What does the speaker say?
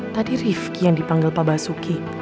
tadi rifki yang dipanggil pabasuki